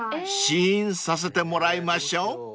［試飲させてもらいましょう］